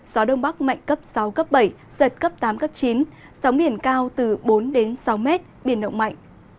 gió đông bắc mạnh cấp sáu bảy giật cấp tám chín sóng biển cao từ bốn sáu m biển động mạnh